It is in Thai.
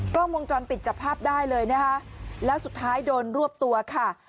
กล้องวงจรปิดจับภาพได้เลยนะคะแล้วสุดท้ายโดนรวบตัวค่ะ